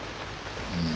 うん。